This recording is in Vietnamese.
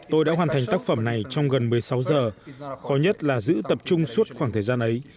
tôi đã hoàn thành tác phẩm này trong gần một mươi sáu giờ khó nhất là giữ tập trung suốt ngày